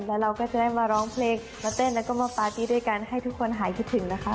แล้วเราก็จะได้มาร้องเพลงมาเต้นแล้วก็มาปาร์ตี้ด้วยกันให้ทุกคนหายคิดถึงนะคะ